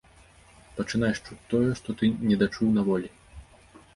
Пачынаеш чуць тое, што ты недачуў на волі.